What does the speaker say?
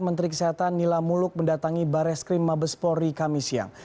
menteri kesehatan nila muluk mendatangi bareskrim mabespori kami siang